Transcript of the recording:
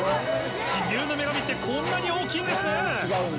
自由の女神ってこんなに大きいんですね！